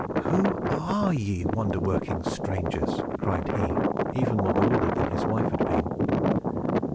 "Who are ye, wonder working strangers?" cried he, even more bewildered than his wife had been.